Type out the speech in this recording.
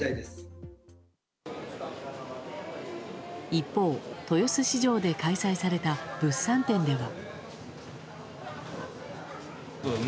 一方、豊洲市場で開催された物産展では。